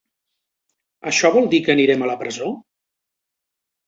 Això vol dir que anirem a la presó?